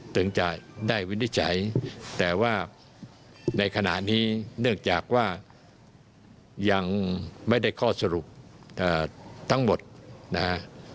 ถึงจะได้วินิจฉัยแต่ว่าในขณะนี้เนื่องจากว่ายังไม่ได้ข้อสรุปทั้งหมดนะฮะ